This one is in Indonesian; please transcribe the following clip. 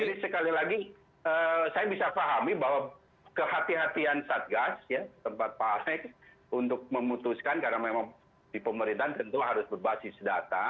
sekali lagi saya bisa pahami bahwa kehatian satgas ya tempat pak alex untuk memutuskan karena memang di pemerintahan tentu harus berbasis data